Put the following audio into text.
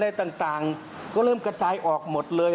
แล้วก็เรียกเพื่อนมาอีก๓ลำ